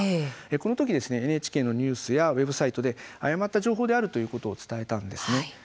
この時ＮＨＫのニュースやウェブサイトで誤った情報であるということを伝えたんですね。